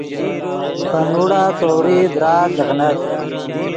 پے نوڑا تَوْریئی درآت لیغنت